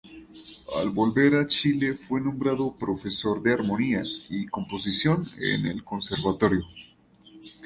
Al volver a Chile fue nombrado profesor de Armonía y Composición en el Conservatorio.